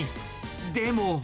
でも。